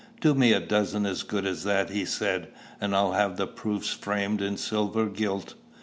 "Do me a dozen as good as that," he said, "and I'll have the proofs framed in silver gilt."